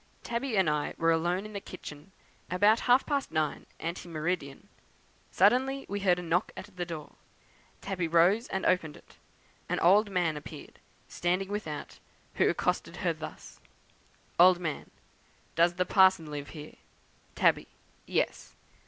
Tabby and I were alone in the kitchen, about half past nine ante meridian. Suddenly we heard a knock at the door; Tabby rose and opened it. An old man appeared, standing without, who accosted her thus: "Old Man. 'Does the parson live here?' "Tabby. 'Yes.'